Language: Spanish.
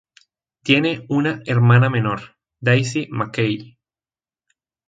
Tiene una hermana menor, Daisy MacKay.